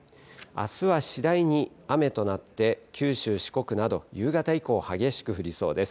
あすは次第に雨となって、九州、四国など、夕方以降、激しく降りそうです。